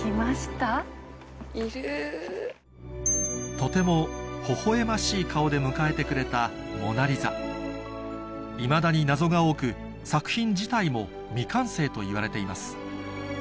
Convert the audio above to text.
とてもほほ笑ましい顔で迎えてくれたいまだに謎が多く作品自体も未完成といわれています